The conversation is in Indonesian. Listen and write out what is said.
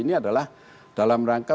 ini adalah dalam rangka